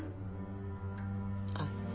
あっ。